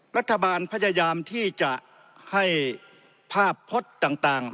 รัฐบาลพยายามที่จะให้ภาพพจน์ต่าง